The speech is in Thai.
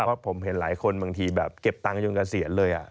เพราะผมเห็นหลายคนบางทีแบบเก็บตังค์จนเกษียณเลย